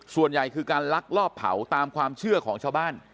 ส่วนใหญ่คือการลักลอบเผาตามความเชื่อของชาวบ้าน